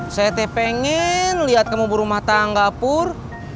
saya teh pengen liat kamu berumah tangga pur